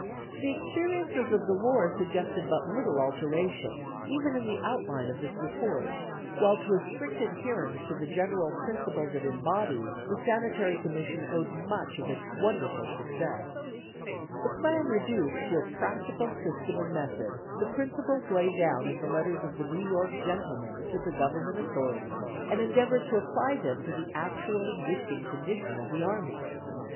The experiences of the war suggested but little alteration, even in the outline of this report, while to a strict adherence to the general principles it embodied the Sanitary Commission owed much of its wonderful success. The plan reduced to a practical system and method the principles laid down in the letters of the New York gentlemen to the Government authorities and endeavored to apply them to the actual existing condition of the army.